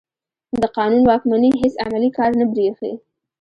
د قانون واکمني هېڅ عملي کار نه برېښي.